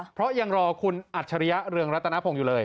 เพราะยังรอคุณอัจฉริยะเรืองรัตนพงศ์อยู่เลย